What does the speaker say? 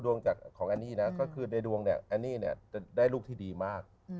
ดวงจากของอันนี้นะก็คือในดวงอันนี้เนี่ยได้ลูกที่ดีมาก